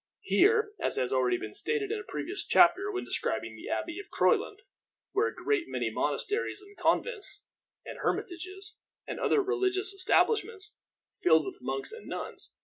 Here, as has been already stated in a previous chapter when describing the Abbey of Croyland, were a great many monasteries, and convents, and hermitages, and other religious establishments, filled with monks and nuns.